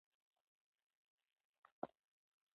نايلې او ډوېوې يو له بل سره ډېره مينه لرله.